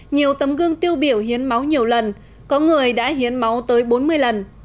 nhiều tấm gương tiêu biểu hiến máu nhiều lần có người đã hiến máu tới bốn mươi lần